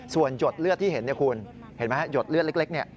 ส่วนหยดเลือดที่เห็นคุณเห็นไหมหยดเลือดเล็ก